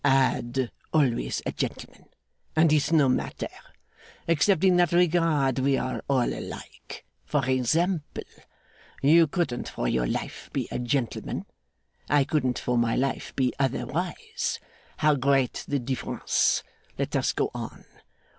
'Add, always a gentleman, and it's no matter. Except in that regard, we are all alike. For example: you couldn't for your life be a gentleman; I couldn't for my life be otherwise. How great the difference! Let us go on.